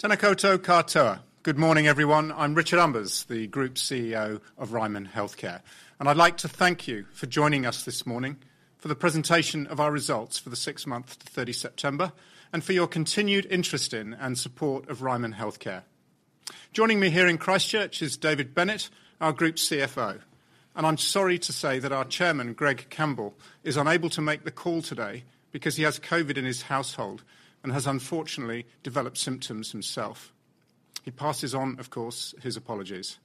Tena koutou katoa. Good morning, everyone. I'm Richard Umbers, the Group CEO of Ryman Healthcare, and I'd like to thank you for joining us this morning for the presentation of our results for the six months to 30 September, and for your continued interest in and support of Ryman Healthcare. Joining me here in Christchurch is David Bennett, our Group CFO, and I'm sorry to say that our Chairman, Greg Campbell, is unable to make the call today because he has COVID in his household and has, unfortunately, developed symptoms himself. He passes on, of course, his apologies.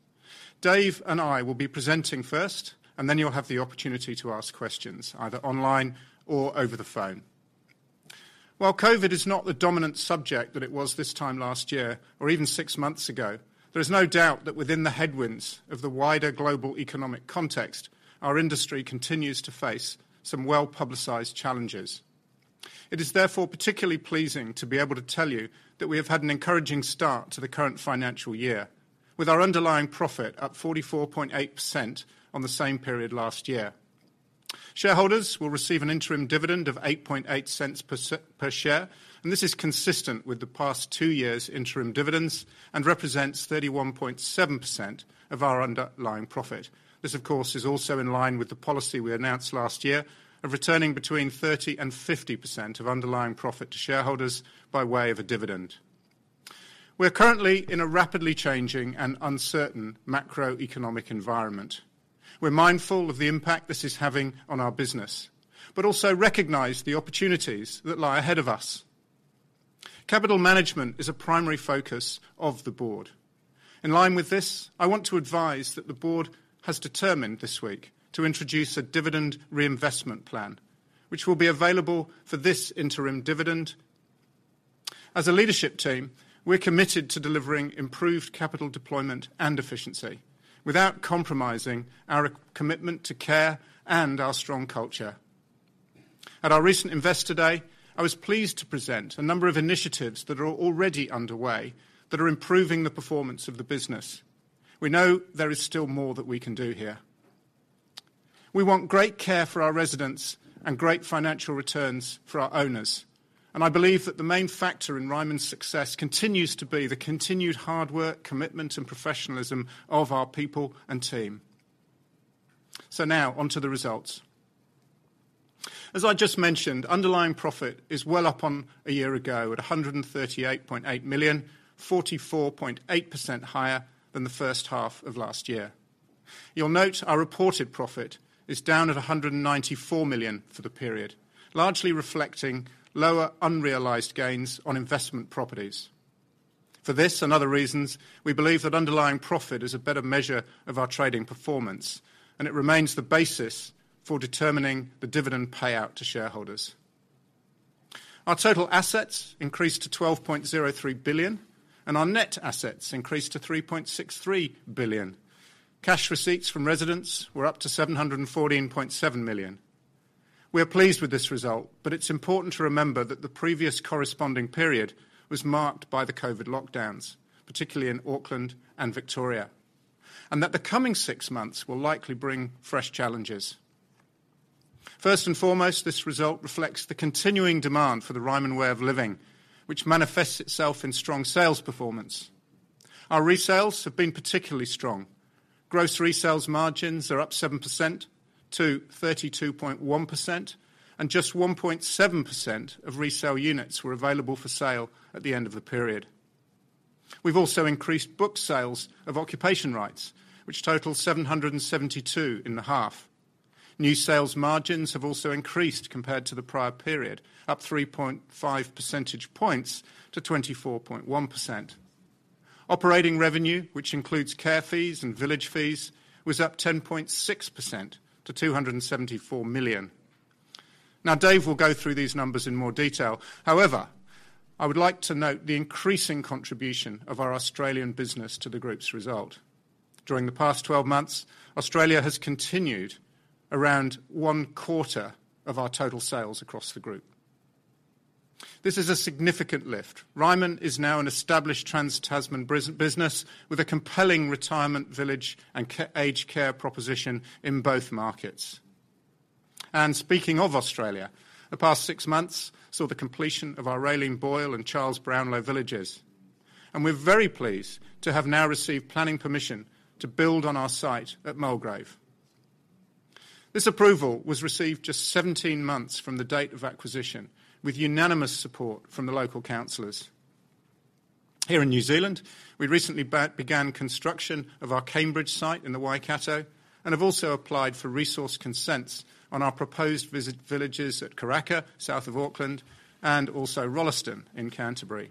Dave and I will be presenting first, and then you'll have the opportunity to ask questions either online or over the phone. While COVID is not the dominant subject that it was this time last year or even six months ago, there is no doubt that within the headwinds of the wider global economic context, our industry continues to face some well-publicized challenges. It is therefore particularly pleasing to be able to tell you that we have had an encouraging start to the current financial year, with our underlying profit up 44.8% on the same period last year. Shareholders will receive an interim dividend of 0.088 per share, and this is consistent with the past two years' interim dividends and represents 31.7% of our underlying profit. This, of course, is also in line with the policy we announced last year of returning between 30% and 50% of underlying profit to shareholders by way of a dividend. We're currently in a rapidly changing and uncertain macroeconomic environment. We're mindful of the impact this is having on our business, but also recognize the opportunities that lie ahead of us. Capital management is a primary focus of the Board. In line with this, I want to advise that the Board has determined this week to introduce a dividend reinvestment plan, which will be available for this interim dividend. As a leadership team, we're committed to delivering improved capital deployment and efficiency without compromising our commitment to care and our strong culture. At our recent Investor Day, I was pleased to present a number of initiatives that are already underway that are improving the performance of the business. We know there is still more that we can do here. We want great care for our residents and great financial returns for our owners, and I believe that the main factor in Ryman's success continues to be the continued hard work, commitment, and professionalism of our people and team. Now, on to the results. As I just mentioned, underlying profit is well up on a year ago at 138.8 million, 44.8% higher than the first half of last year. You'll note our reported profit is down at 194 million for the period, largely reflecting lower unrealized gains on investment properties. For this and other reasons, we believe that underlying profit is a better measure of our trading performance, and it remains the basis for determining the dividend payout to shareholders. Our total assets increased to 12.03 billion, and our net assets increased to 3.63 billion. Cash receipts from residents were up to 714.7 million. We are pleased with this result, but it's important to remember that the previous corresponding period was marked by the COVID lockdowns, particularly in Auckland and Victoria, and that the coming six months will likely bring fresh challenges. First and foremost, this result reflects the continuing demand for the Ryman way of living, which manifests itself in strong sales performance. Our resales have been particularly strong. Gross resales margins are up 7% to 32.1%, and just 1.7% of resale units were available for sale at the end of the period. We've also increased book sales of occupation rights, which totaled 772 in the half. New sales margins have also increased compared to the prior period, up 3.5 percentage points to 24.1%. Operating revenue, which includes care fees and village fees, was up 10.6% to 274 million. Now, Dave will go through these numbers in more detail. However, I would like to note the increasing contribution of our Australian business to the group's result. During the past 12 months, Australia has contributed around 1/4 of our total sales across the group. This is a significant lift. Ryman is now an established trans-Tasman business with a compelling retirement village and aged care proposition in both markets. Speaking of Australia, the past six months saw the completion of our Raelene Boyle and Charles Brownlow villages, and we're very pleased to have now received planning permission to build on our site at Mulgrave. This approval was received just 17 months from the date of acquisition, with unanimous support from the local councilors. Here in New Zealand, we recently began construction of our Cambridge site in the Waikato and have also applied for resource consents on our proposed villages at Karaka, south of Auckland, and also Rolleston in Canterbury.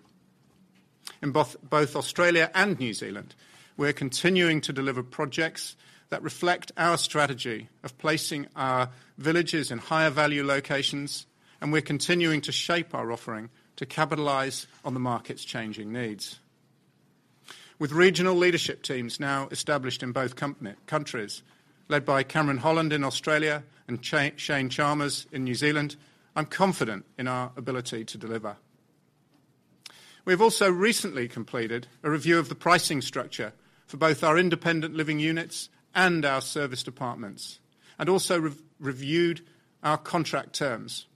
In both Australia and New Zealand, we're continuing to deliver projects that reflect our strategy of placing our villages in higher value locations, and we're continuing to shape our offering to capitalize on the market's changing needs. With regional leadership teams now established in both countries, led by Cameron Holland in Australia and Cheyne Chalmers in New Zealand, I'm confident in our ability to deliver. We have also recently completed a review of the pricing structure for both our independent living units and our serviced apartments, and also reviewed our contract terms.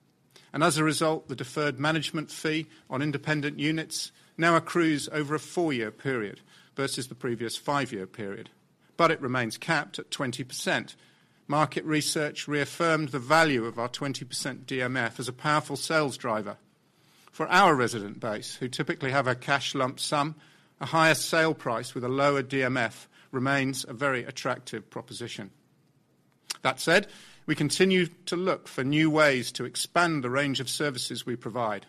As a result, the deferred management fee on independent units now accrues over a four-year period versus the previous five year period, but it remains capped at 20%. Market research reaffirmed the value of our 20% DMF as a powerful sales driver. For our resident base, who typically have a cash lump sum, a higher sale price with a lower DMF remains a very attractive proposition. That said, we continue to look for new ways to expand the range of services we provide.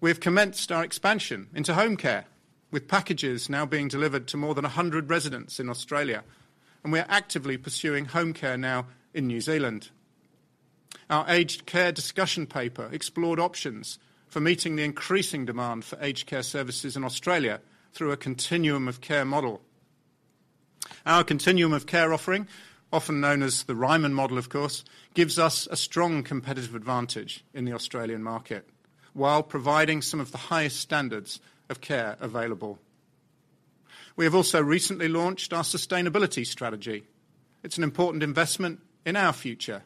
We have commenced our expansion into home care, with packages now being delivered to more than 100 residents in Australia, and we are actively pursuing home care now in New Zealand. Our aged care discussion paper explored options for meeting the increasing demand for aged care services in Australia through a continuum of care model. Our continuum of care offering, often known as the Ryman model, of course, gives us a strong competitive advantage in the Australian market, while providing some of the highest standards of care available. We have also recently launched our sustainability strategy. It's an important investment in our future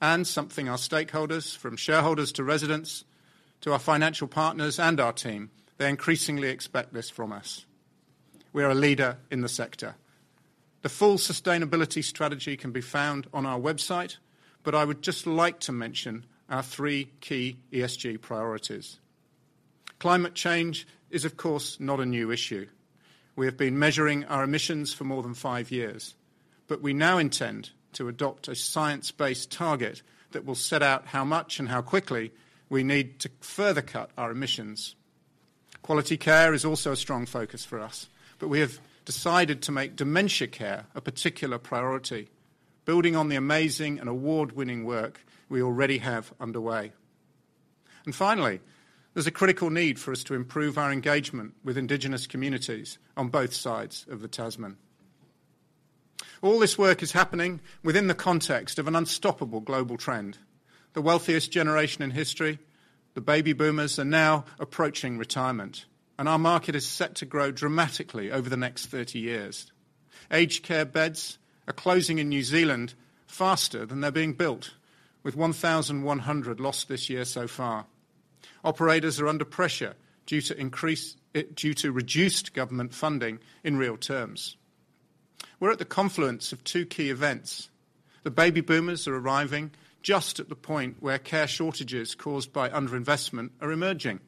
and something our stakeholders, from shareholders to residents, to our financial partners and our team, they increasingly expect this from us. We are a leader in the sector. The full sustainability strategy can be found on our website. I would just like to mention our three key ESG priorities. Climate change is, of course, not a new issue. We have been measuring our emissions for more than five years, but we now intend to adopt a science-based target that will set out how much and how quickly we need to further cut our emissions. Quality care is also a strong focus for us, but we have decided to make dementia care a particular priority, building on the amazing and award-winning work we already have underway. Finally, there's a critical need for us to improve our engagement with indigenous communities on both sides of the Tasman. All this work is happening within the context of an unstoppable global trend. The wealthiest generation in history, the baby boomers, are now approaching retirement, and our market is set to grow dramatically over the next 30 years. Aged care beds are closing in New Zealand faster than they're being built, with 1,100 lost this year so far. Operators are under pressure due to reduced government funding in real terms. We're at the confluence of two key events. The Baby Boomers are arriving just at the point where care shortages caused by underinvestment are emerging.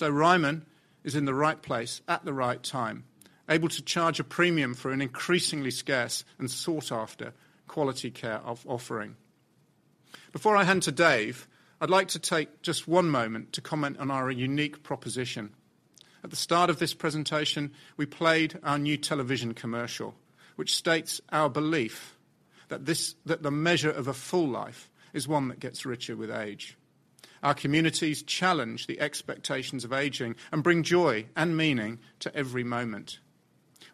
Ryman is in the right place at the right time, able to charge a premium for an increasingly scarce and sought-after quality care of offering. Before I hand to Dave, I'd like to take just one moment to comment on our unique proposition. At the start of this presentation, we played our new television commercial, which states our belief that the measure of a full life is one that gets richer with age. Our communities challenge the expectations of aging and bring joy and meaning to every moment.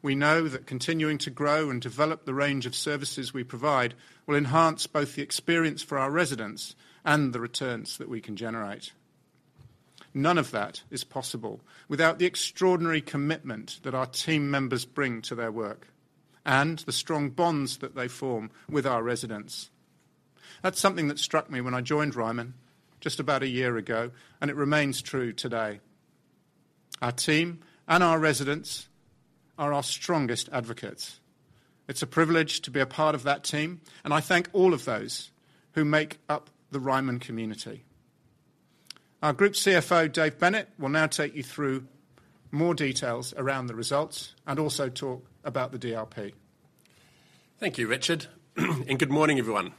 We know that continuing to grow and develop the range of services we provide will enhance both the experience for our residents and the returns that we can generate. None of that is possible without the extraordinary commitment that our team members bring to their work and the strong bonds that they form with our residents. That's something that struck me when I joined Ryman just about a year ago, and it remains true today. Our team and our residents are our strongest advocates. It's a privilege to be a part of that team, and I thank all of those who make up the Ryman community. Our Group CFO, David Bennett, will now take you through more details around the results and also talk about the DRP. Thank you, Richard. Good morning, everyone.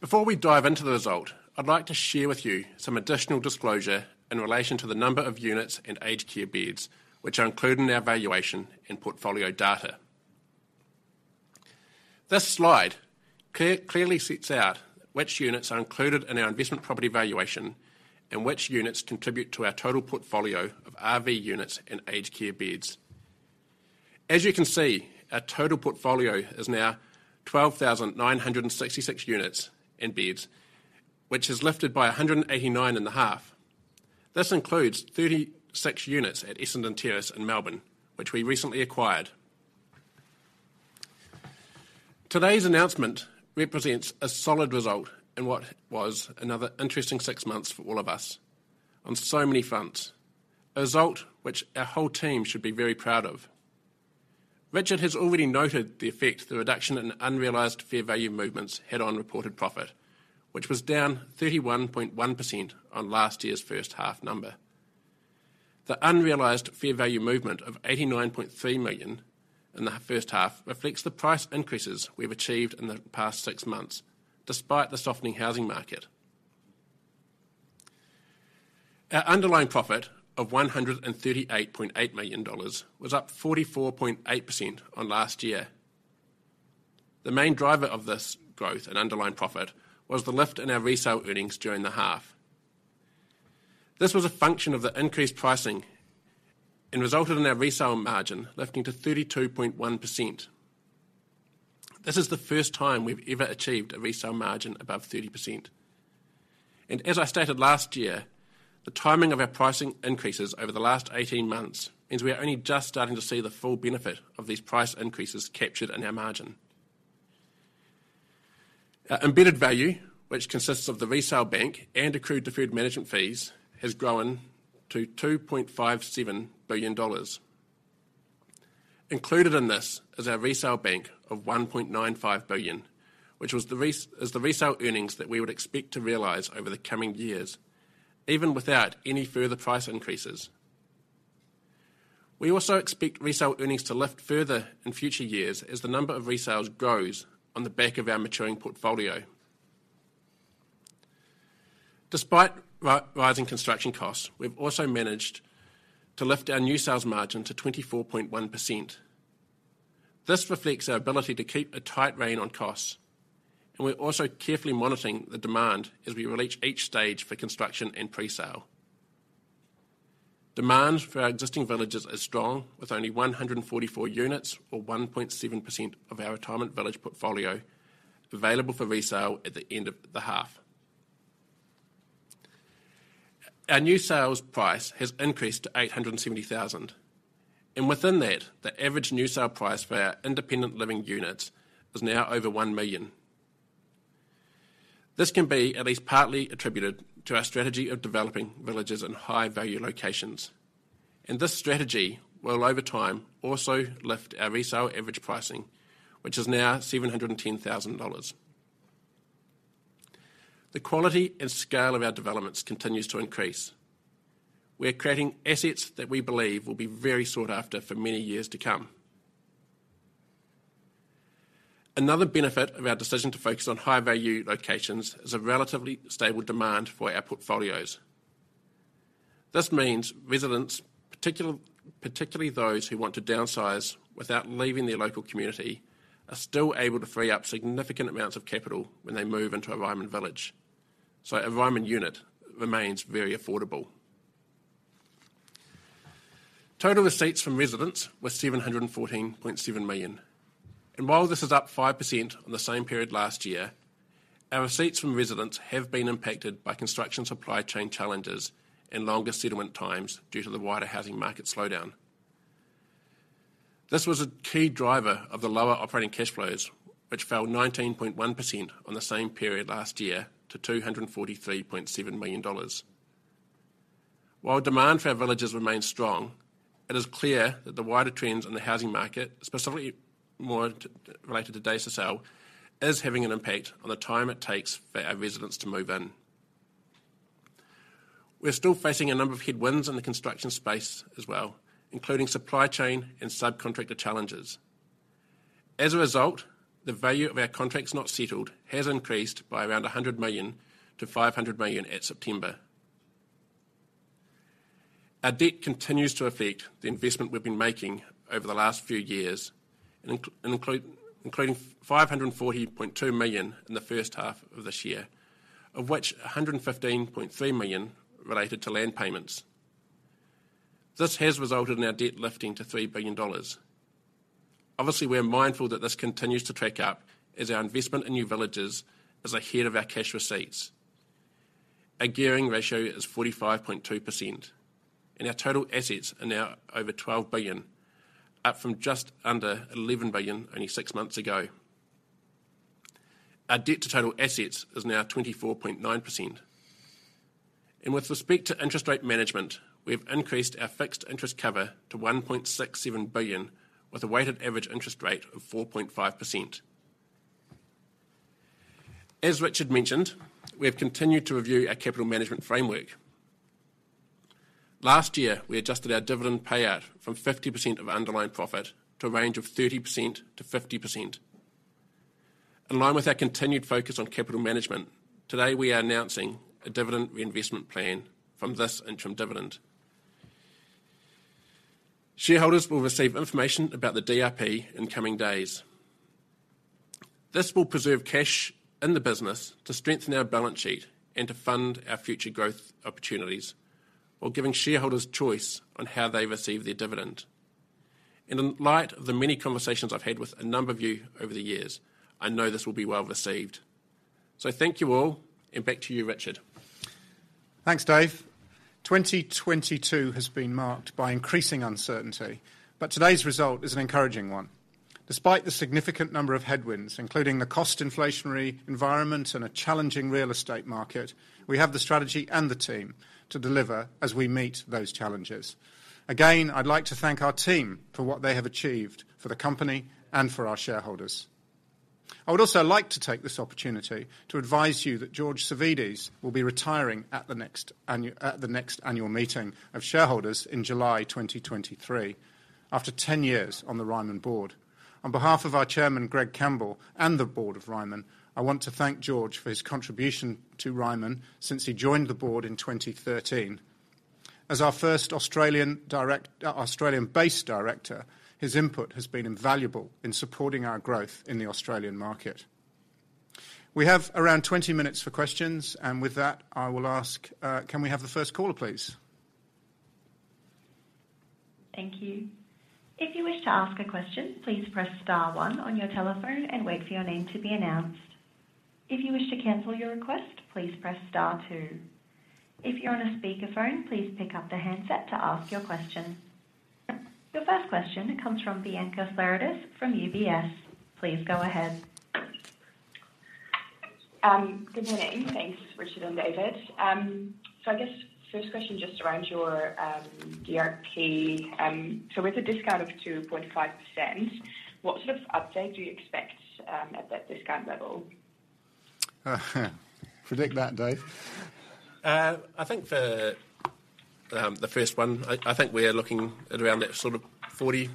Before we dive into the result, I'd like to share with you some additional disclosure in relation to the number of units and aged care beds which are included in our valuation and portfolio data. This slide clearly sets out which units are included in our investment property valuation and which units contribute to our total portfolio of R.V. units and aged care beds. As you can see, our total portfolio is now 12,966 units and beds, which has lifted by 189 in the half. This includes 36 units at Essendon Terrace in Melbourne, which we recently acquired. Today's announcement represents a solid result in what was another interesting six months for all of us on so many fronts, a result which our whole team should be very proud of. Richard has already noted the effect the reduction in unrealized fair value movements had on reported profit, which was down 31.1% on last year's first half number. The unrealized fair value movement of 89.3 million in the first half reflects the price increases we've achieved in the past six months, despite the softening housing market. Our underlying profit of 138.8 million dollars was up 44.8% on last year. The main driver of this growth and underlying profit was the lift in our resale earnings during the half. This was a function of the increased pricing and resulted in our resale margin lifting to 32.1%. This is the first time we've ever achieved a resale margin above 30%. As I stated last year, the timing of our pricing increases over the last 18 months means we are only just starting to see the full benefit of these price increases captured in our margin. Our embedded value, which consists of the resale bank and accrued deferred management fees, has grown to 2.57 billion dollars. Included in this is our resale bank of 1.95 billion, which is the resale earnings that we would expect to realize over the coming years, even without any further price increases. We also expect resale earnings to lift further in future years as the number of resales grows on the back of our maturing portfolio. Despite rising construction costs, we've also managed to lift our new sales margin to 24.1%. This reflects our ability to keep a tight rein on costs, and we're also carefully monitoring the demand as we reach each stage for construction and presale. Demand for our existing villages is strong, with only 144 units or 1.7% of our retirement village portfolio available for resale at the end of the half. Our new sales price has increased to 870 thousand. Within that, the average new sale price for our independent living units is now over one million. This can be at least partly attributed to our strategy of developing villages in high-value locations. This strategy will, over time, also lift our resale average pricing, which is now 710 thousand dollars. The quality and scale of our developments continues to increase. We are creating assets that we believe will be very sought after for many years to come. Another benefit of our decision to focus on high-value locations is a relatively stable demand for our portfolios. This means residents, particularly those who want to downsize without leaving their local community, are still able to free up significant amounts of capital when they move into a Ryman village. A Ryman unit remains very affordable. Total receipts from residents was 714.7 million. While this is up 5% on the same period last year, our receipts from residents have been impacted by construction supply chain challenges and longer settlement times due to the wider housing market slowdown. This was a key driver of the lower operating cash flows, which fell 19.1% on the same period last year to 243.7 million dollars. While demand for our villages remains strong, it is clear that the wider trends in the housing market, specifically related to days for sale, is having an impact on the time it takes for our residents to move in. We're still facing a number of headwinds in the construction space as well, including supply chain and subcontractor challenges. As a result, the value of our contracts not settled has increased by around 100 million to 500 million at September. Our debt continues to affect the investment we've been making over the last few years, incl- including five hundred and forty point two million in the first half of this year, of which a hundred and fifteen point three million related to land payments. This has resulted in our debt lifting to three billion dollars. Obviously, we are mindful that this continues to track up as our investment in new villages is ahead of our cash receipts. Our gearing ratio is forty-five point two percent, and our total assets are now over twelve billion, up from just under eleven billion only six months ago. Our debt to total assets is now twenty-four point nine percent. And with respect to interest rate management, we have increased our fixed interest cover to one point six seven billion, with a weighted average interest rate of four point five percent. As Richard mentioned, we have continued to review our capital management framework. Last year, we adjusted our dividend payout from 50% of underlying profit to a range of 30%-50%. In line with our continued focus on capital management, today we are announcing a dividend reinvestment plan from this interim dividend. Shareholders will receive information about the DRP in coming days. This will preserve cash in the business to strengthen our balance sheet and to fund our future growth opportunities while giving shareholders choice on how they receive their dividend. In light of the many conversations I've had with a number of you over the years, I know this will be well received. Thank you all, and back to you, Richard. Thanks, Dave. 2022 has been marked by increasing uncertainty, but today's result is an encouraging one. Despite the significant number of headwinds, including the cost inflationary environment and a challenging real estate market, we have the strategy and the team to deliver as we meet those challenges. Again, I'd like to thank our team for what they have achieved for the company and for our shareholders. I would also like to take this opportunity to advise you that George Savvides will be retiring at the next annual meeting of shareholders in July 2023 after 10 years on the Ryman Board. On behalf of our Chairman, Greg Campbell, and the Board of Ryman, I want to thank George for his contribution to Ryman since he joined the Board in 2013. As our first Australian-based director, his input has been invaluable in supporting our growth in the Australian market. We have around 20 minutes for questions, and with that, I will ask, can we have the first caller, please? Thank you. If you wish to ask a question, please press star one on your telephone and wait for your name to be announced. If you wish to cancel your request, please press star two. If you're on a speakerphone, please pick up the handset to ask your question. Your first question comes from Bianca Murphy from UBS. Please go ahead. Good morning. Thanks, Richard and David. I guess first question just around your DRP. With a discount of 2.5%, what sort of uptake do you expect at that discount level? Predict that, Dave. I think for the first one, we are looking at around that sort of 40%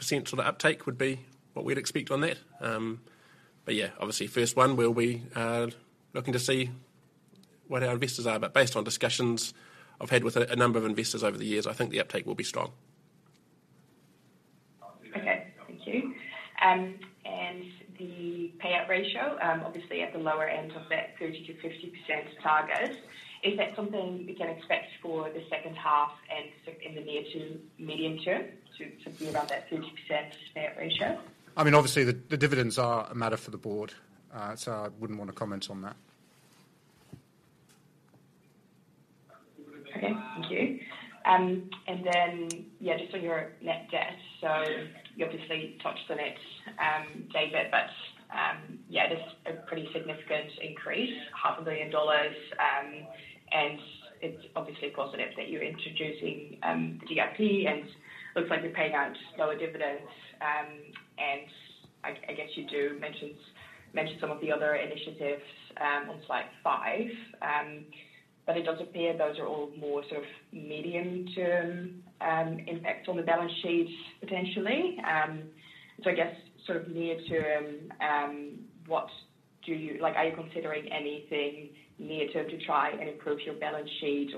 sort of uptake would be what we'd expect on that. Yeah, obviously, first one, we'll be looking to see what our investors are. Based on discussions I've had with a number of investors over the years, I think the uptake will be strong. Okay. Thank you. The payout ratio, obviously at the lower end of that 30%-50% target, is that something we can expect for the second half in the near to medium term to be around that 50% payout ratio? I mean, obviously the dividends are a matter for the board, so I wouldn't wanna comment on that. Okay. Thank you. Yeah, just on your net debt, so you obviously touched on it, David, but yeah, there's a pretty significant increase, half a billion dollars. It's obviously positive that you're introducing the DRP and looks like you're paying out lower dividends. I guess you do mention some of the other initiatives on slide five. It does appear those are all more sort of medium-term impact on the balance sheet potentially. I guess sort of near term, like, are you considering anything near term to try and improve your balance sheet?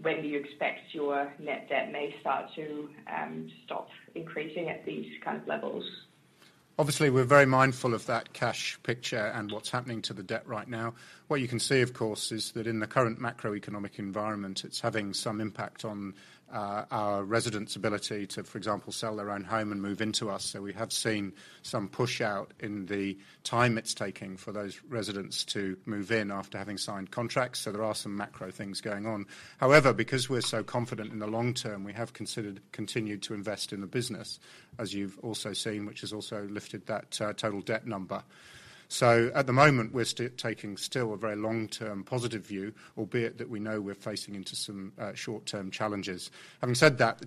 When do you expect your net debt may start to stop increasing at these kind of levels? Obviously, we're very mindful of that cash picture and what's happening to the debt right now. What you can see, of course, is that in the current macroeconomic environment, it's having some impact on our residents' ability to, for example, sell their own home and move into us. We have seen some push-out in the time it's taking for those residents to move in after having signed contracts, so there are some macro things going on. However, because we're so confident in the long term, we have continued to invest in the business, as you've also seen, which has also lifted that total debt number. At the moment, we're taking still a very long-term positive view, albeit that we know we're facing into some short-term challenges. Having said that,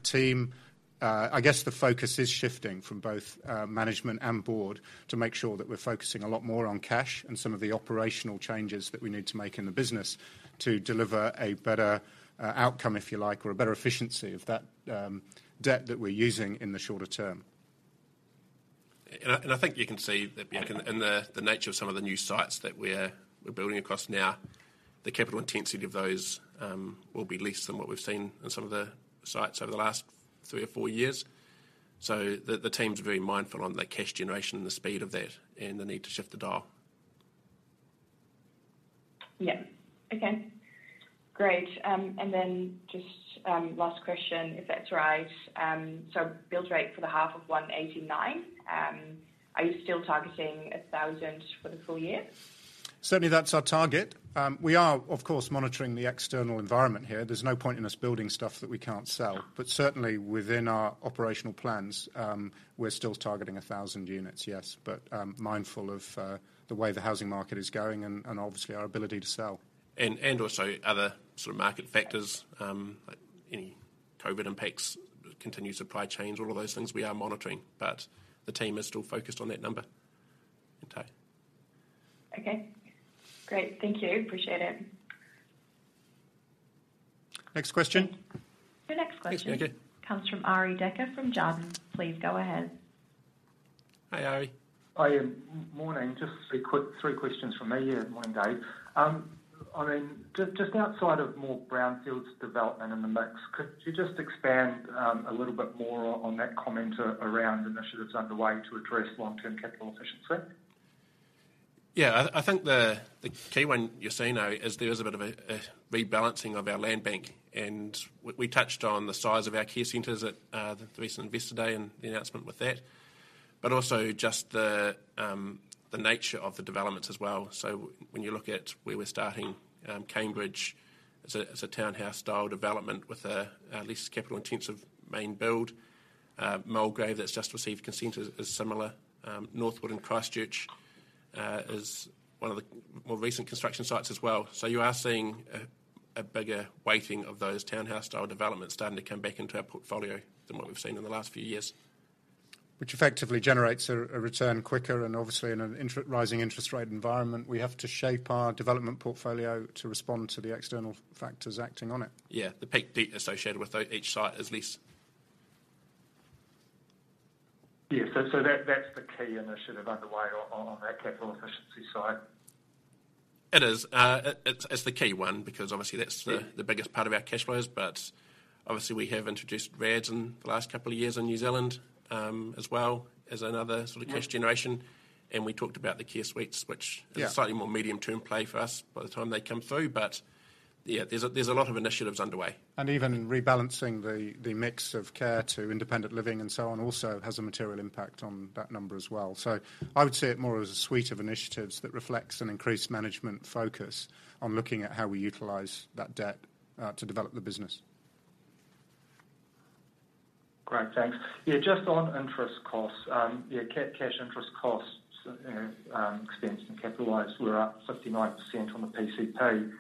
I guess the focus is shifting from both management and board to make sure that we're focusing a lot more on cash and some of the operational changes that we need to make in the business to deliver a better outcome, if you like, or a better efficiency of that debt that we're using in the shorter term. I think you can see that, Bianca. Okay In the nature of some of the new sites that we're building across now, the capital intensity of those will be less than what we've seen in some of the sites over the last three or four years. The team's very mindful on the cash generation and the speed of that and the need to shift the dial. Yeah. Okay. Great. Just last question, if that's right. Build rate for the half of 189, are you still targeting 1,000 for the full year? Certainly, that's our target. We are, of course, monitoring the external environment here. There's no point in us building stuff that we can't sell. Certainly, within our operational plans, we're still targeting 1,000 units, yes. Mindful of the way the housing market is going and obviously our ability to sell. Also other sort of market factors like any COVID impacts, continued supply chains, all of those things we are monitoring. The team is still focused on that number. Okay. Great. Thank you. Appreciate it. Next question. Your next question. Thanks, Bianca. Comes from Arie Dekker from Jarden. Please go ahead. Hey, Ari. Hi, morning. Just three questions from me. Yeah, morning, David Bennett. I mean, just outside of more brownfields development in the mix, could you just expand a little bit more on that comment around initiatives underway to address long-term capital efficiency? Yeah. I think the key one you're seeing now is there is a bit of a rebalancing of our land bank, and we touched on the size of our care centers at the recent Investor Day and the announcement with that. Also just the nature of the developments as well. When you look at where we're starting, Cambridge, it's a townhouse-style development with a least capital-intensive main build. Mulgrave that's just received consent is similar. Northwood in Christchurch is one of the more recent construction sites as well. You are seeing a bigger weighting of those townhouse-style developments starting to come back into our portfolio than what we've seen in the last few years. Which effectively generates a return quicker and obviously in a rising interest rate environment, we have to shape our development portfolio to respond to the external factors acting on it. Yeah. The peak debt associated with each site is less. Yeah. That's the key initiative underway on that capital efficiency side. It is. It's the key one. Yeah The biggest part of our cash flows. Obviously we have introduced RADs in the last couple of years in New Zealand as well as another sort of cash generation. We talked about the care suites. Yeah Is a slightly more medium-term play for us by the time they come through. Yeah, there's a lot of initiatives underway. Even in rebalancing the mix of care to independent living and so on, also has a material impact on that number as well. I would see it more as a suite of initiatives that reflects an increased management focus on looking at how we utilize that debt to develop the business. Great, thanks. Yeah, just on interest costs. Yeah, cash interest costs expense and capitalized were up 59% on the PCP.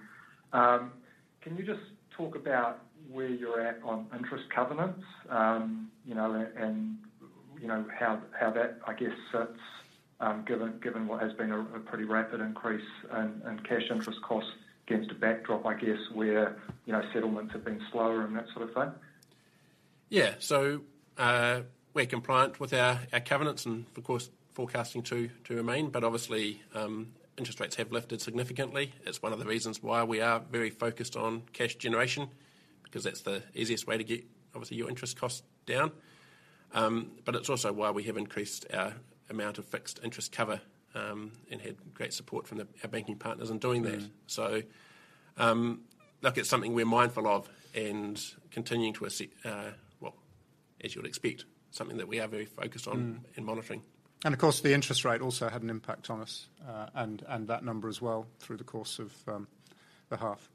Can you just talk about where you're at on interest covenants, you know, and you know how that, I guess, sits, given what has been a pretty rapid increase in cash interest costs against a backdrop, I guess, where you know settlements have been slower and that sort of thing? Yeah. We're compliant with our covenants and of course forecasting to remain. Obviously, interest rates have lifted significantly. It's one of the reasons why we are very focused on cash generation, because that's the easiest way to get obviously your interest costs down. It's also why we have increased our amount of fixed interest cover and had great support from our banking partners in doing that. Look, it's something we're mindful of, well, as you'd expect, something that we are very focused on. Monitoring. Of course, the interest rate also had an impact on us and that number as well through the course of the half.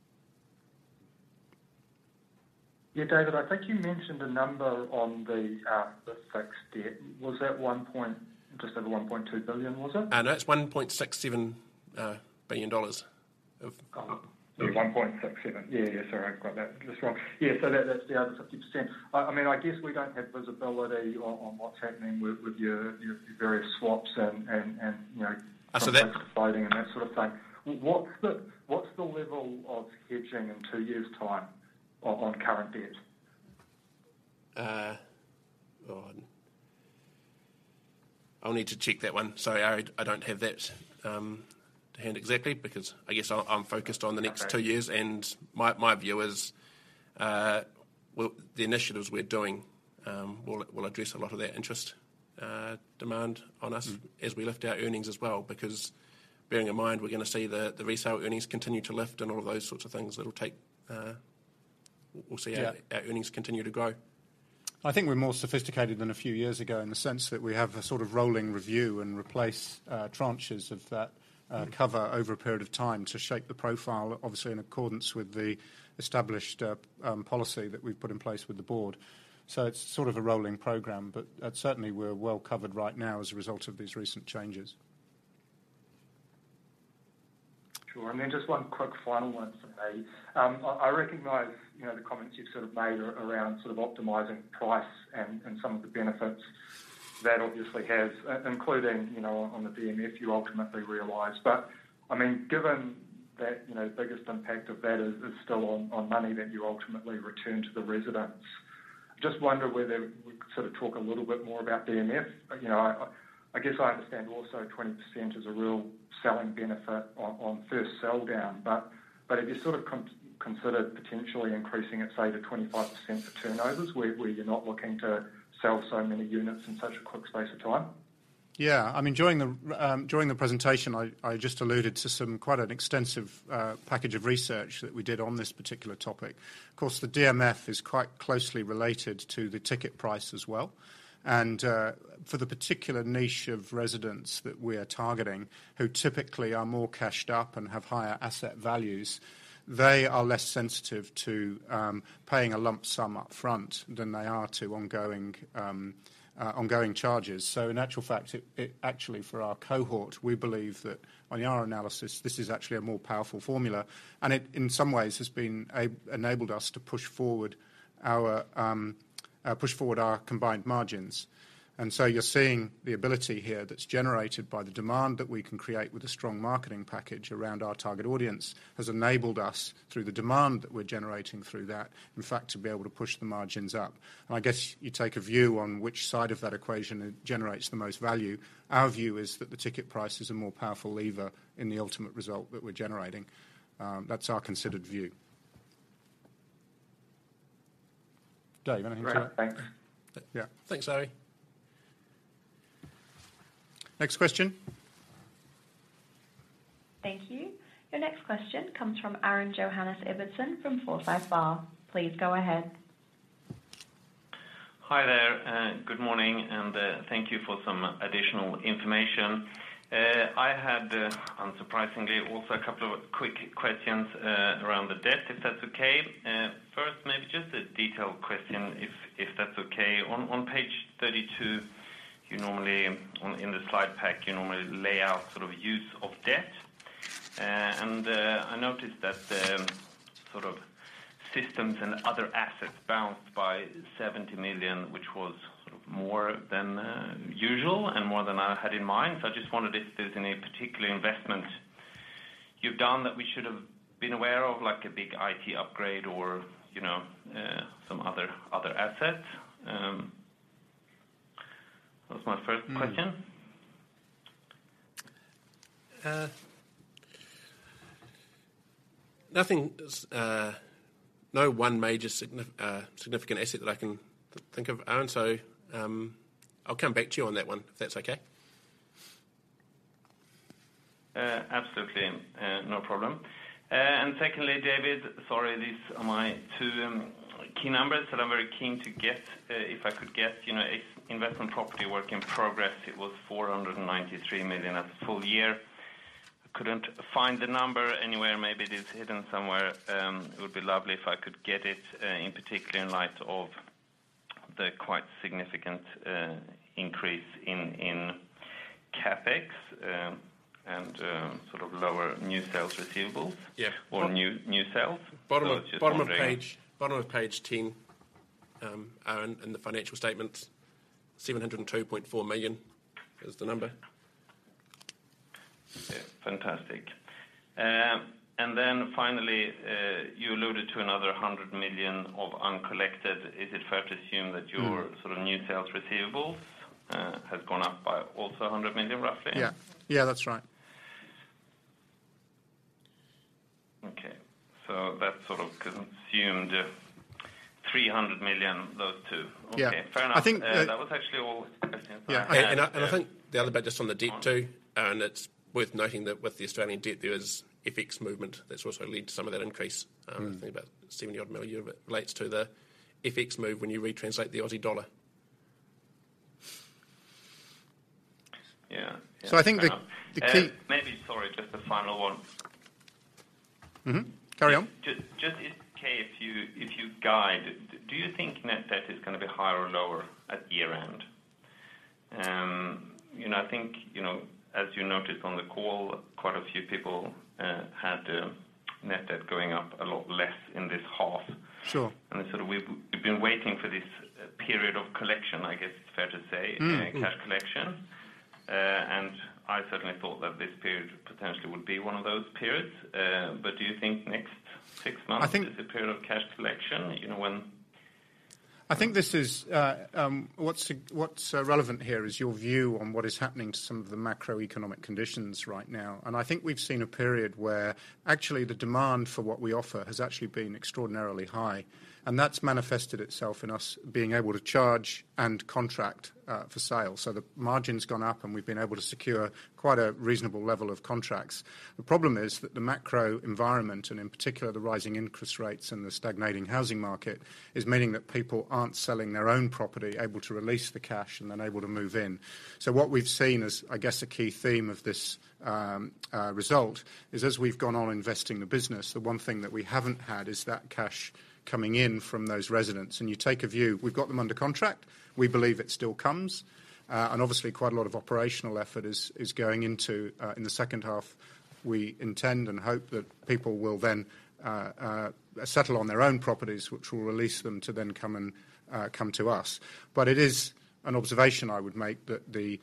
Yeah. David, I think you mentioned a number on the fixed debt. Was that just over 1.2 billion, was it? No, it's 1.67 billion dollars. Got it. Yeah, 1.67. Yeah, sorry, I've got that just wrong. Yeah, that's the other 50%. I mean, I guess we don't have visibility on what's happening with your various swaps, you know. So that- That sort of thing. What's the level of hedging in two years' time on current debt? Oh, I'll need to check that one. Sorry, Ari, I don't have that to hand exactly because I guess I'm focused on the next two years. Okay. My view is, well, the initiatives we're doing will address a lot of that demand on us. As we lift our earnings as well. Because bearing in mind, we're gonna see the resale earnings continue to lift and all of those sorts of things. Yeah Our earnings continue to grow. I think we're more sophisticated than a few years ago in the sense that we have a sort of rolling review and replace tranches of that cover over a period of time to shape the profile, obviously in accordance with the established policy that we've put in place with the Board. It's sort of a rolling program, but certainly we're well covered right now as a result of these recent changes. Sure. Just one quick final one from me. I recognize, you know, the comments you've sort of made around sort of optimizing price and some of the benefits that obviously has, including, you know, on the DMF you ultimately realize. I mean, given that, you know, the biggest impact of that is still on money that you ultimately return to the residents, just wonder whether we could sort of talk a little bit more about DMF. You know, I guess I understand also 20% is a real selling benefit on first sell down, but if you sort of consider potentially increasing it, say to 25% for turnovers, where you're not looking to sell so many units in such a quick space of time. Yeah. I mean, during the presentation, I just alluded to quite an extensive package of research that we did on this particular topic. Of course, the DMF is quite closely related to the ticket price as well. For the particular niche of residents that we're targeting, who typically are more cashed up and have higher asset values, they are less sensitive to paying a lump sum up front than they are to ongoing charges. In actual fact, it actually, for our cohort, we believe that on our analysis, this is actually a more powerful formula. It, in some ways, has enabled us to push forward our combined margins. You're seeing the ability here that's generated by the demand that we can create with a strong marketing package around our target audience, has enabled us through the demand that we're generating through that, in fact, to be able to push the margins up. I guess you take a view on which side of that equation generates the most value. Our view is that the ticket price is a more powerful lever in the ultimate result that we're generating. That's our considered view. Dave, anything to add? Great. Thanks. Yeah. Thanks, Ari. Next question. Thank you. Your next question comes from Aaron Ibbotson from Forsyth Barr. Please go ahead. Hi there, good morning, and thank you for some additional information. I had, unsurprisingly, also a couple of quick questions around the debt, if that's okay. First, maybe just a detailed question if that's okay. On page 32, you normally, in the slide pack, you normally lay out sort of use of debt. I noticed that the sort of systems and other assets bounced by 70 million, which was sort of more than usual and more than I had in mind. I just wondered if there's any particular investment you've done that we should have been aware of, like a big I.T. upgrade or, you know, some other assets. That was my first question. No major significant asset that I can think of, Aaron. I'll come back to you on that one, if that's okay. Absolutely. No problem. Secondly, David, sorry, these are my two key numbers that I'm very keen to get. If I could get, you know, investment property work in progress. It was 493 million at the full year. Couldn't find the number anywhere, maybe it is hidden somewhere. It would be lovely if I could get it, in particular in light of the quite significant increase in CapEx and sort of lower new sales receivables. Yeah. New sales. I'm just wondering. Bottom of page 10, Aaron, in the financial statements. 702.4 million is the number. Yeah. Fantastic. Finally, you alluded to another 100 million of uncollected. Mm. Sort of new sales receivables has gone up by also a 100 million, roughly? Yeah. Yeah, that's right. Okay. That sort of consumed 300 million, those two. Yeah. Okay. Fair enough. I think. That was actually all. Yeah. I think the other bit just on the debt too, and it's worth noting that with the Australian debt, there is FX movement that's also led to some of that increase. Mm. I think about 70 odd million relates to the FX move when you retranslate the Aussie dollar. Yeah. Yeah. I think the key. Maybe, sorry, just a final one. Carry on. Just if you guide, do you think net debt is gonna be higher or lower at year-end? You know, I think, you know, as you noted on the call, quite a few people had net debt going up a lot less in this half. Sure. Sort of we've been waiting for this period of collection, I guess it's fair to say. Cash collection. I certainly thought that this period potentially would be one of those periods. Do you think next six months? I think. Is a period of cash collection, you know? What's relevant here is your view on what is happening to some of the macroeconomic conditions right now. I think we've seen a period where actually the demand for what we offer has actually been extraordinarily high, and that's manifested itself in us being able to charge and contract for sale. The margin's gone up, and we've been able to secure quite a reasonable level of contracts. The problem is that the macro environment, and in particular, the rising interest rates and the stagnating housing market, is meaning that people aren't selling their own property, able to release the cash, and then able to move in. What we've seen as, I guess, a key theme of this result is, as we've gone on investing the business, the one thing that we haven't had is that cash coming in from those residents. You take a view, we've got them under contract, we believe it still comes, and obviously quite a lot of operational effort is going into in the second half. We intend and hope that people will then settle on their own properties, which will release them to then come to us. It is an observation I would make that the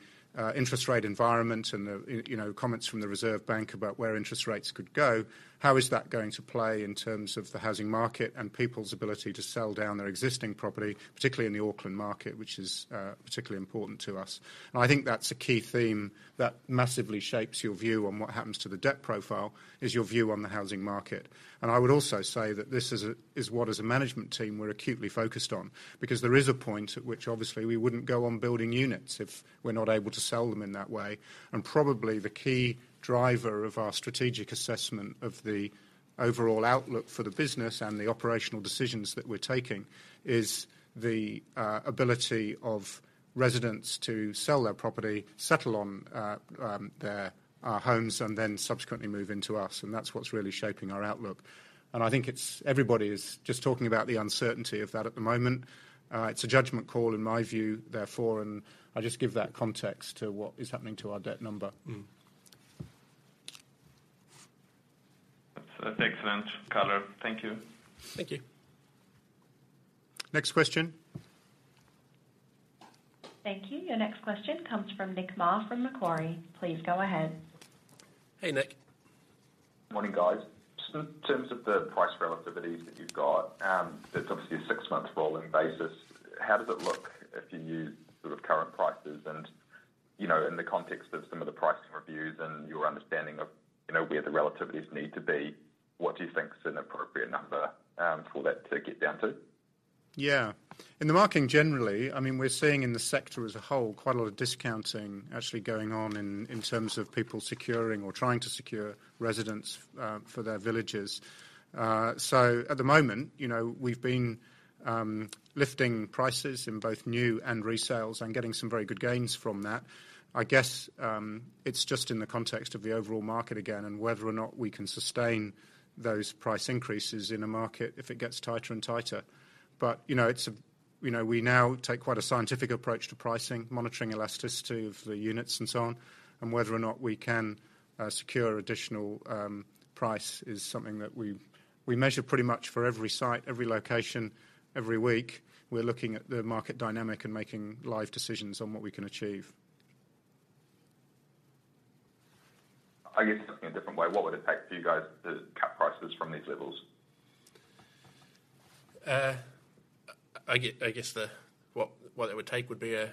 interest rate environment and the, you know, comments from the Reserve Bank about where interest rates could go, how is that going to play in terms of the housing market and people's ability to sell down their existing property, particularly in the Auckland market, which is particularly important to us. I think that's a key theme that massively shapes your view on what happens to the debt profile, is your view on the housing market. I would also say that this is what as a management team we're acutely focused on. Because there is a point at which obviously we wouldn't go on building units if we're not able to sell them in that way. Probably the key driver of our strategic assessment of the overall outlook for the business and the operational decisions that we're taking is the ability of residents to sell their property, settle on our homes, and then subsequently move into us. That's what's really shaping our outlook. Everybody is just talking about the uncertainty of that at the moment. It's a judgment call in my view, therefore, and I just give that context to what is happening to our debt number. That's excellent color. Thank you. Thank you. Next question. Thank you. Your next question comes from Nick Mar from Macquarie. Please go ahead. Hey, Nick. Morning, guys. Just in terms of the price relativities that you've got, it's obviously a six-month rolling basis. How does it look if you use sort of current prices and, you know, in the context of some of the pricing reviews and your understanding of, you know, where the relativities need to be? What do you think is an appropriate number for that to get down to? Yeah. In the marketing generally, I mean, we're seeing in the sector as a whole quite a lot of discounting actually going on in terms of people securing or trying to secure residents for their villages. At the moment, you know, we've been lifting prices in both new and resales and getting some very good gains from that. I guess, it's just in the context of the overall market again and whether or not we can sustain those price increases in a market if it gets tighter and tighter. You know, we now take quite a scientific approach to pricing, monitoring elasticity of the units and so on. Whether or not we can secure additional price is something that we measure pretty much for every site, every location, every week. We're looking at the market dynamic and making live decisions on what we can achieve. I guess looking a different way, what would it take for you guys to cut prices from these levels? I guess what it would take would be a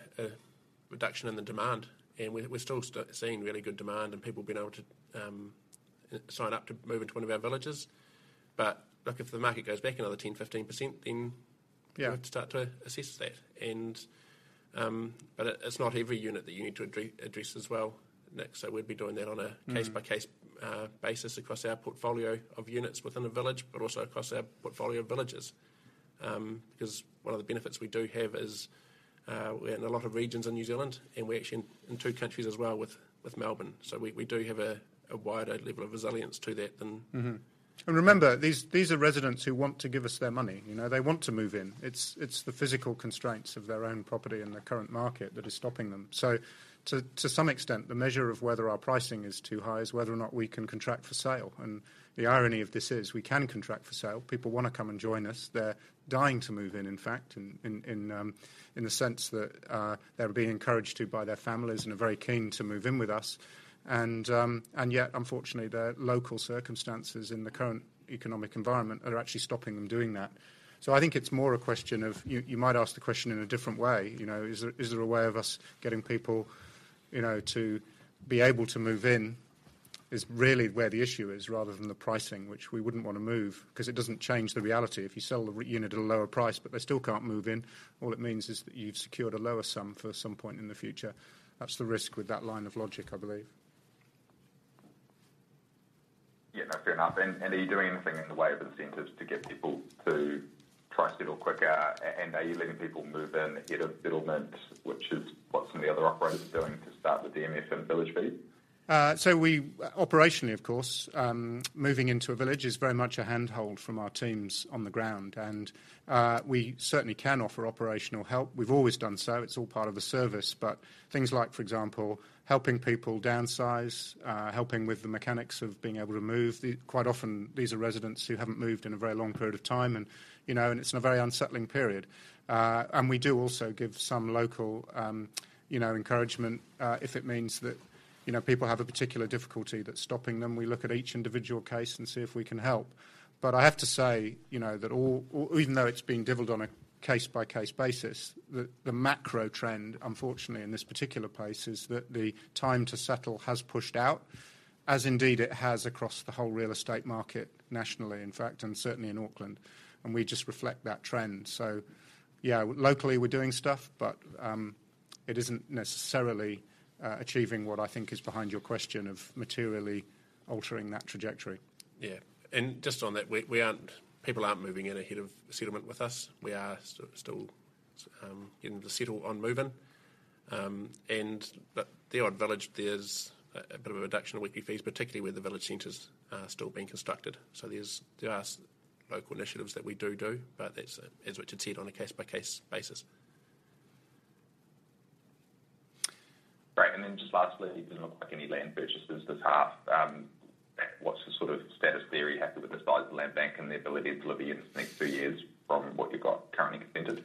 reduction in the demand. We're still seeing really good demand and people being able to sign up to move into one of our villages. Look, if the market goes back another 10%-15%. Yeah We'd start to assess that. It's not every unit that you need to address as well, Nick. Case-by-case basis across our portfolio of units within a village, but also across our portfolio of villages. Because one of the benefits we do have is we're in a lot of regions in New Zealand, and we're actually in two countries as well with Melbourne. We do have a wider level of resilience to that. Remember, these are residents who want to give us their money. You know, they want to move in. It's the physical constraints of their own property and the current market that is stopping them. To some extent, the measure of whether our pricing is too high is whether or not we can contract for sale. The irony of this is we can contract for sale. People wanna come and join us. They're dying to move in fact, in the sense that they're being encouraged to by their families and are very keen to move in with us. Yet, unfortunately, their local circumstances in the current economic environment are actually stopping them doing that. I think it's more a question of you might ask the question in a different way. You know, is there a way of us getting people, you know, to be able to move in is really where the issue is, rather than the pricing, which we wouldn't want to move because it doesn't change the reality. If you sell the unit at a lower price, but they still can't move in, all it means is that you've secured a lower sum for some point in the future. That's the risk with that line of logic, I believe. Yeah, no, fair enough. Are you doing anything in the way of incentives to get people to try to settle quicker? Are you letting people move in ahead of settlement, which is what some of the other operators are doing to start with DMF and village fees? Operationally, of course, moving into a village is very much a handhold from our teams on the ground, and we certainly can offer operational help. We've always done so. It's all part of the service. Things like, for example, helping people downsize, helping with the mechanics of being able to move. Quite often, these are residents who haven't moved in a very long period of time and, you know, it's in a very unsettling period. We do also give some local, you know, encouragement if it means that, you know, people have a particular difficulty that's stopping them. We look at each individual case and see if we can help. I have to say, you know, even though it's being handled on a case-by-case basis, the macro trend, unfortunately, in this particular place, is that the time to settle has pushed out, as indeed it has across the whole real estate market nationally, in fact, and certainly in Auckland, and we just reflect that trend. Yeah, locally we're doing stuff, but it isn't necessarily achieving what I think is behind your question of materially altering that trajectory. Yeah. Just on that, people aren't moving in ahead of settlement with us. We are still getting them to settle on move-in. The odd village, there's a bit of a reduction in weekly fees, particularly where the village centers are still being constructed. There are local initiatives that we do, but that's as Richard said, on a case-by-case basis. Great. Just lastly, it doesn't look like any land purchases this half. What's the sort of status there? Are you happy with the size of the land bank and the ability to deliver in this next two years from what you've got currently consented?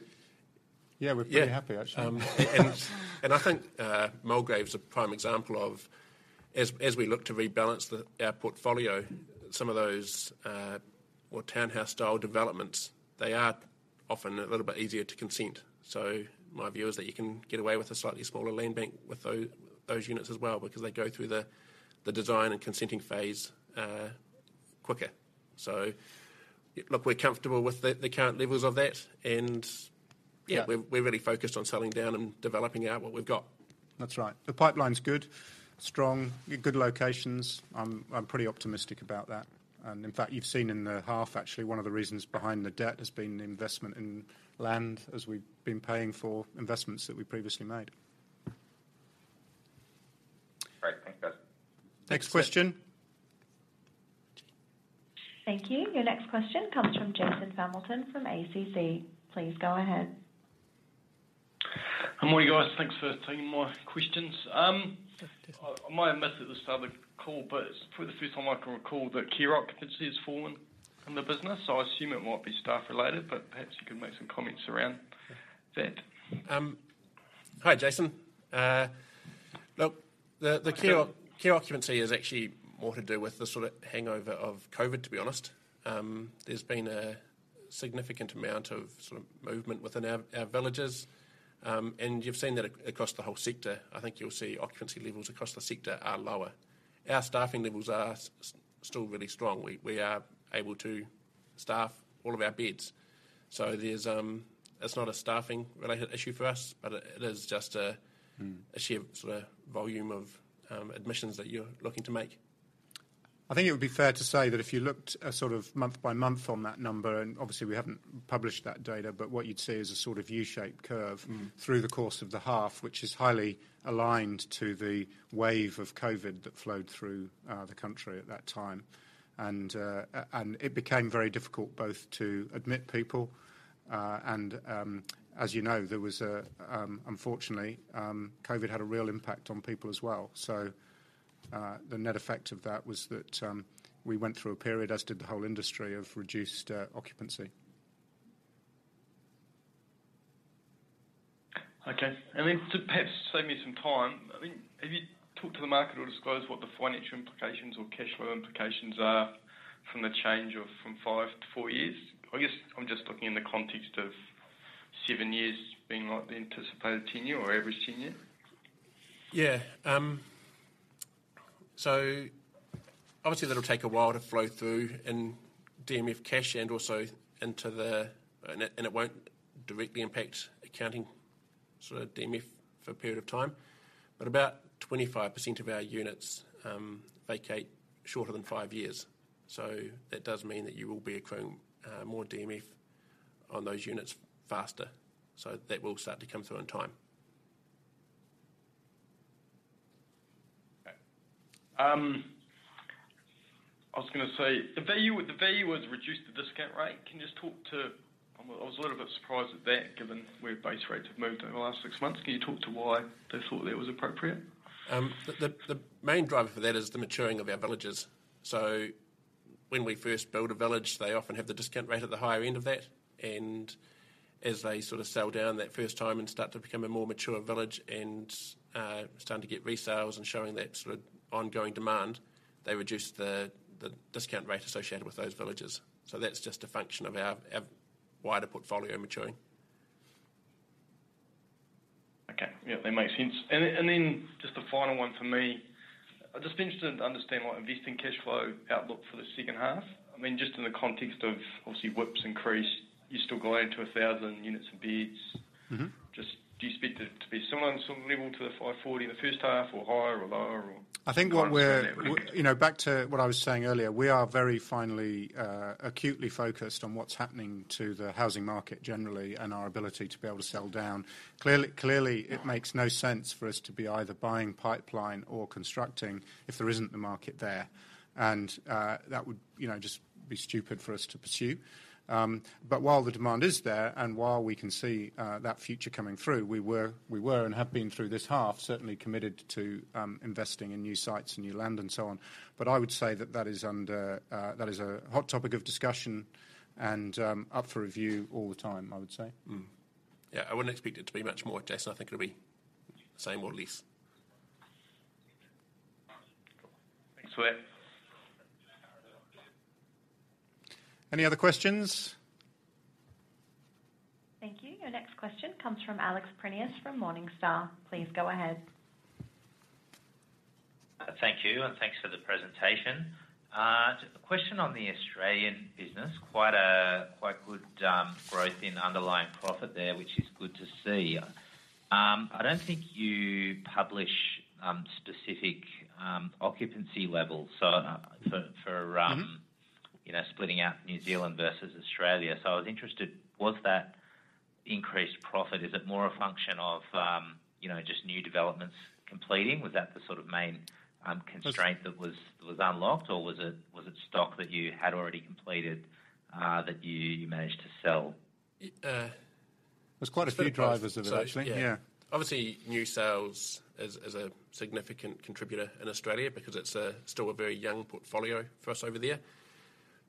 Yeah, we're pretty happy actually. Yeah. I think Mulgrave is a prime example of as we look to rebalance our portfolio, some of those more townhouse-style developments, they are often a little bit easier to consent. My view is that you can get away with a slightly smaller land bank with those units as well because they go through the design and consenting phase quicker. Look, we're comfortable with the current levels of that. Yeah We're really focused on selling down and developing out what we've got. That's right. The pipeline's good, strong, good locations. I'm pretty optimistic about that. In fact, you've seen in the half actually, one of the reasons behind the debt has been investment in land as we've been paying for investments that we previously made. Great. Thanks, guys. Next question. Thank you. Your next question comes from Jason Familton from ACC. Please go ahead. Morning, guys. Thanks for taking my questions. I might have missed it at the start of the call, but it's probably the first time I can recall that care occupancy has fallen in the business. I assume it might be staff-related, but perhaps you could make some comments around that. Hi, Jason. Look, the care occupancy is actually more to do with the sort of hangover of COVID, to be honest. There's been a significant amount of sort of movement within our villages, and you've seen that across the whole sector. I think you'll see occupancy levels across the sector are lower. Our staffing levels are still really strong. We are able to staff all of our beds. It's not a staffing related issue for us. A sheer sort of volume of admissions that you're looking to make. I think it would be fair to say that if you looked a sort of month-by-month on that number, and obviously we haven't published that data, but what you'd see is a sort of U-shaped curve. Through the course of the half, which is highly aligned to the wave of COVID that flowed through the country at that time, it became very difficult both to admit people and, as you know, unfortunately, COVID had a real impact on people as well. The net effect of that was that we went through a period, as did the whole industry, of reduced occupancy. Okay. To perhaps save me some time, I mean, have you talked to the market or disclosed what the financial implications or cash flow implications are from the change from five to four years? I guess I'm just looking in the context of seven years being like the anticipated tenure or average tenure. Yeah. Obviously that'll take a while to flow through in DMF cash. It won't directly impact accounting sort of DMF for a period of time. About 25% of our units vacate shorter than five years. That does mean that you will be accruing more DMF on those units faster. That will start to come through in time. Okay. I was gonna say, the value was reduce the discount rate. I was a little bit surprised at that given where base rates have moved over the last six months. Can you talk to why they thought that was appropriate? The main driver for that is the maturing of our villages. When we first build a village, they often have the discount rate at the higher end of that. As they sort of sell down that first time and start to become a more mature village and starting to get resales and showing that sort of ongoing demand, they reduce the discount rate associated with those villages. That's just a function of our wider portfolio maturing. Okay. Yeah, that makes sense. Just a final one from me. I'd just be interested to understand what investing cash flow outlook for the second half. I mean, just in the context of obviously WIP increase, you're still going to 1,000 units of beds. Just do you expect it to be similar in some level to the 540 in the first half, or higher, or lower? You know, back to what I was saying earlier. We are very finely, acutely focused on what's happening to the housing market generally and our ability to be able to sell down. Clearly, it makes no sense for us to be either buying pipeline or constructing if there isn't the market there. That would, you know, just be stupid for us to pursue. While the demand is there, and while we can see that future coming through, we were and have been through this half, certainly committed to investing in new sites and new land and so on. I would say that is a hot topic of discussion and up for review all the time, I would say. Yeah, I wouldn't expect it to be much more, Jess. I think it'll be same. Thanks for that. Any other questions? Thank you. Your next question comes from Alexander Prineas from Morningstar. Please go ahead. Thank you and thanks for the presentation. A question on the Australian business. Quite good growth in underlying profit there, which is good to see. I don't think you publish specific occupancy levels. You know, splitting out New Zealand versus Australia. I was interested, was that increased profit, is it more a function of, you know, just new developments completing? Was that the sort of main constraint that was unlocked? Was it stock that you had already completed that you managed to sell? Uh- There's quite a few drivers of it, I think. Yeah. Obviously, new sales is a significant contributor in Australia because it's still a very young portfolio for us over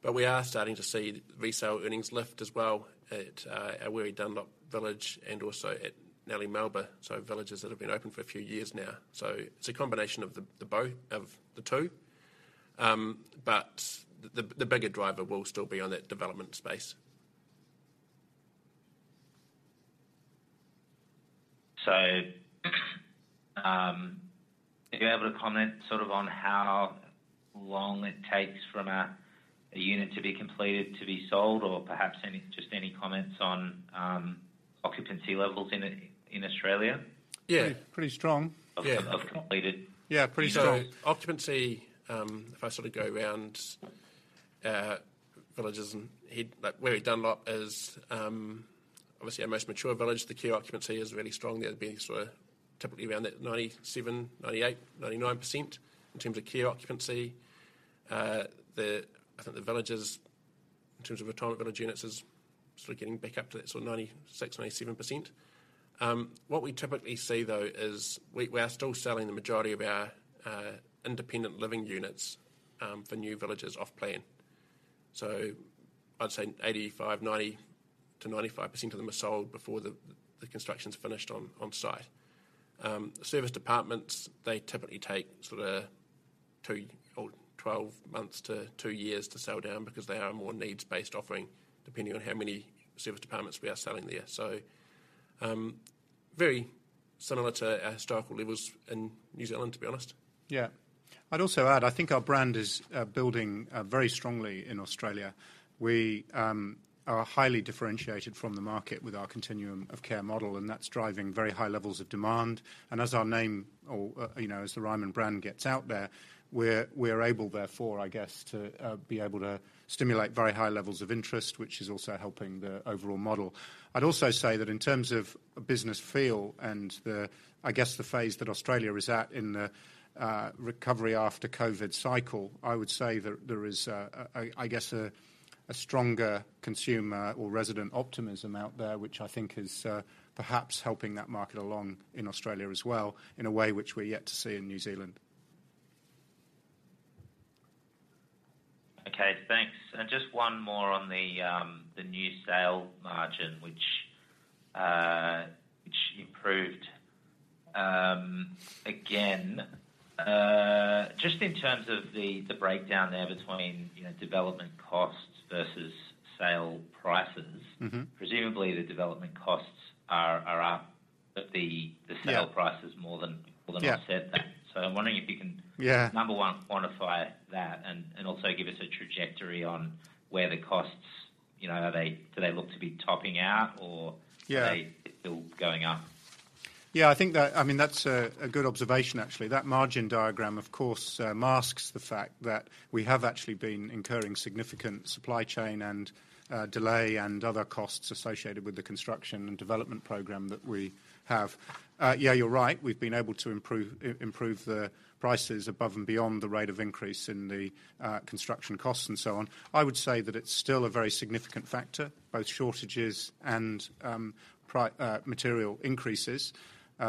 there. We are starting to see resale earnings lift as well at our Weary Dunlop village and also at Nellie Melba, so villages that have been open for a few years now. It's a combination of the two. The bigger driver will still be on that development space. Are you able to comment sort of on how long it takes from a unit to be completed to be sold? Perhaps just any comments on occupancy levels in Australia? Yeah. Pretty strong. Yeah. Of completed. Yeah, pretty strong. Occupancy, if I sort of go around villages, like Weary Dunlop is obviously our most mature village. The care occupancy is really strong. There's been sort of typically around 97%, 98%, 99% in terms of care occupancy. I think the villages in terms of retirement village units is sort of getting back up to that sort of 96%-97%. What we typically see, though, is we are still selling the majority of our independent living units for new villages off-plan. I'd say 85%, 90%-95% of them are sold before the construction's finished on-site. Serviced apartments, they typically take sort of 12 months-two years to sell down because they are a more needs-based offering, depending on how many serviced apartments we are selling there. Very similar to our historical levels in New Zealand, to be honest. Yeah. I'd also add, I think our brand is building very strongly in Australia. We are highly differentiated from the market with our continuum of care model, and that's driving very high levels of demand. As our name or, you know, as the Ryman brand gets out there, we're able therefore, I guess, to be able to stimulate very high levels of interest, which is also helping the overall model. I'd also say that in terms of business feel and I guess, the phase that Australia is at in the recovery after COVID cycle, I would say there is, I guess, a stronger consumer or resident optimism out there, which I think is perhaps helping that market along in Australia as well in a way which we're yet to see in New Zealand. Okay, thanks. Just one more on the new sale margin which improved again. Just in terms of the breakdown there between, you know, development costs versus sale prices. Presumably the development costs are up. Yeah Sale price is more than. Yeah Offset that. I'm wondering if you can. Yeah Number one, quantify that and also give us a trajectory on where the costs, you know, do they look to be topping out? Yeah Are they still going up? Yeah, I think that, I mean, that's a good observation actually. That margin diagram, of course, masks the fact that we have actually been incurring significant supply chain and delay and other costs associated with the construction and development program that we have. Yeah, you're right. We've been able to improve the prices above and beyond the rate of increase in the construction costs and so on. I would say that it's still a very significant factor, both shortages and material increases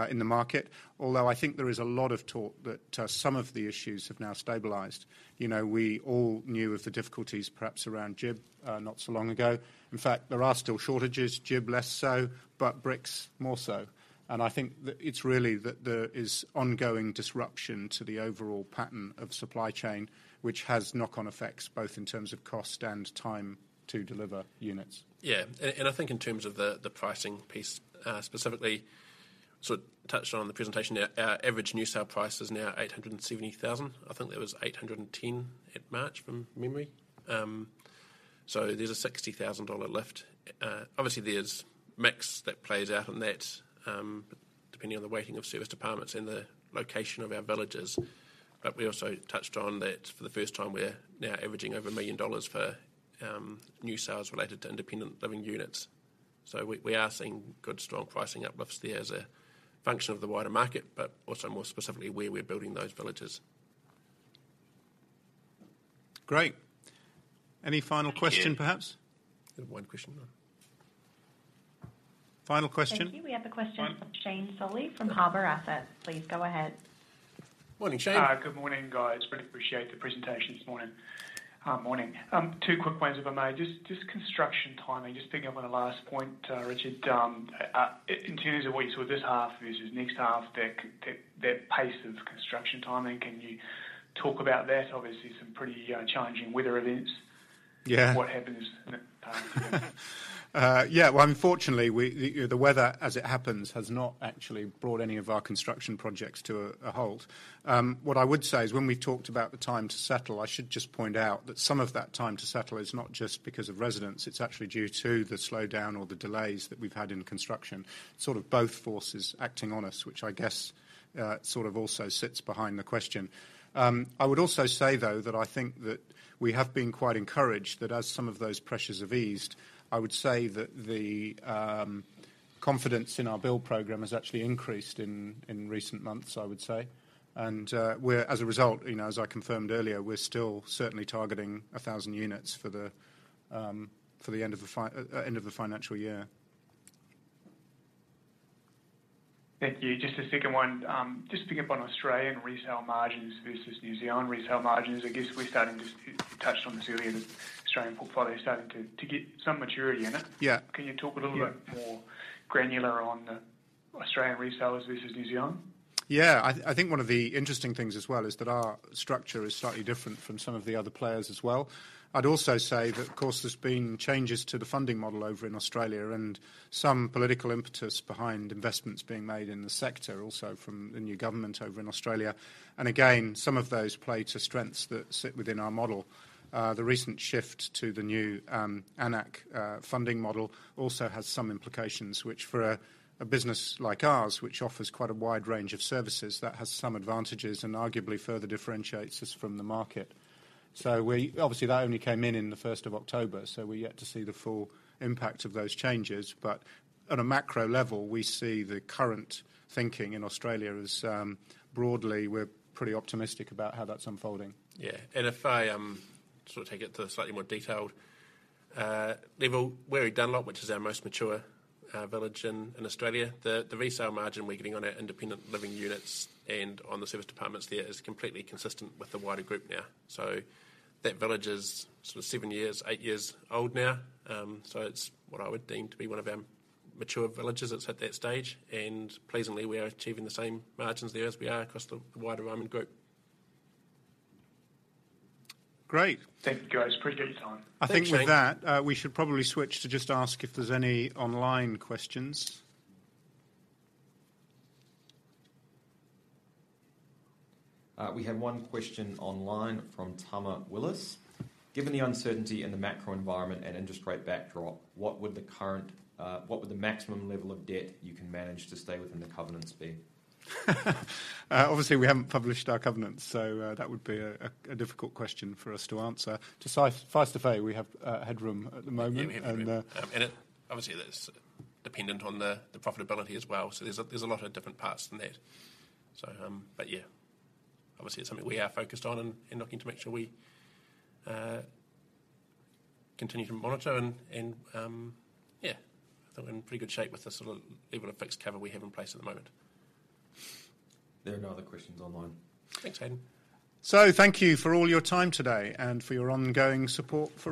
in the market. Although I think there is a lot of talk that some of the issues have now stabilized. You know, we all knew of the difficulties perhaps around GIB not so long ago. In fact, there are still shortages, GIB less so, but bricks more so. I think that it's really that there is ongoing disruption to the overall pattern of supply chain, which has knock-on effects both in terms of cost and time to deliver units. Yeah. I think in terms of the pricing piece, specifically, sort of touched on the presentation there. Our average new sale price is now 870,000. I think that was 810 at March, from memory. There's a 60,000 dollar lift. Obviously there's mix that plays out on that, depending on the weighting of serviced apartments and the location of our villages. We also touched on that for the first time we're now averaging over 1 million dollars for new sales related to independent living units. We are seeing good, strong pricing uplifts there as a function of the wider market, but also more specifically where we're building those villages. Great. Any final question, perhaps? Thank you. We have one question. Final question. Thank you. We have a question. One From Shane Solly from Harbour Assets. Please go ahead. Morning, Shane. Good morning, guys. Really appreciate the presentation this morning. Morning. Two quick points if I may. Just construction timing, just picking up on the last point, Richard. In terms of what you saw this half versus next half, the pace of construction timing, can you talk about that? Obviously, some pretty challenging weather events. Yeah. What happens going forward? Yeah. Well, unfortunately, you know, the weather, as it happens, has not actually brought any of our construction projects to a halt. What I would say is when we talked about the time to settle, I should just point out that some of that time to settle is not just because of residents, it's actually due to the slowdown or the delays that we've had in construction, sort of both forces acting on us, which I guess sort of also sits behind the question. I would also say, though, that I think that we have been quite encouraged that as some of those pressures have eased, I would say that the confidence in our build program has actually increased in recent months, I would say. As a result, you know, as I confirmed earlier, we're still certainly targeting 1,000 units for the end of the financial year. Thank you. Just a second one. Just picking up on Australian resale margins versus New Zealand resale margins. I guess we're starting to touch on the Zealand, Australian portfolio starting to get some maturity in it. Yeah. Can you talk a little bit more granular on the Australian resales versus New Zealand? Yeah. I think one of the interesting things as well is that our structure is slightly different from some of the other players as well. I'd also say that, of course, there's been changes to the funding model over in Australia and some political impetus behind investments being made in the sector also from the new government over in Australia. Again, some of those play to strengths that sit within our model. The recent shift to the new AN-ACC funding model also has some implications which for a business like ours, which offers quite a wide range of services, that has some advantages and arguably further differentiates us from the market. Obviously, that only came in in the first of October, so we're yet to see the full impact of those changes. On a macro level, we see the current thinking in Australia is, broadly, we're pretty optimistic about how that's unfolding. Yeah. If I sort of take it to a slightly more detailed level, Weary Dunlop, which is our most mature village in Australia, the resale margin we're getting on our independent living units and on the serviced apartments there is completely consistent with the wider group now. That village is sort of seven years, eight years old now. It's what I would deem to be one of our mature villages that's at that stage. Pleasantly, we are achieving the same margins there as we are across the wider Ryman group. Great. Thank you, guys. Appreciate your time. Thanks, Cheyne. I think with that, we should probably switch to just ask if there's any online questions. We have one question online from Tama Willis. Given the uncertainty in the macro environment and interest rate backdrop, what would the maximum level of debt you can manage to stay within the covenants be? Obviously we haven't published our covenants, so that would be a difficult question for us to answer. Suffice to say, we have headroom at the moment. Yeah, we have headroom. And, uh- Obviously that's dependent on the profitability as well. There's a lot of different parts in that. Obviously it's something we are focused on and looking to make sure we continue to monitor. I think we're in pretty good shape with the sort of level of fixed cover we have in place at the moment. There are no other questions online. Thanks, Hayden. Thank you for all your time today and for your ongoing support.